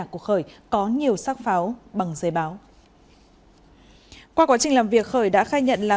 của nguyễn văn khởi có nhiều xác pháo bằng giấy báo qua quá trình làm việc khởi đã khai nhận là